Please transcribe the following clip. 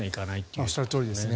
おっしゃるとおりです。